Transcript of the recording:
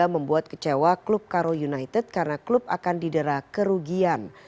membuat kecewa klub karo united karena klub akan didera kerugian